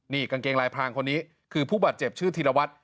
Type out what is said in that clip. นี่กางเกงลายพรางคนนี้คือผู้บาดเจ็บชื่อธีรวัตร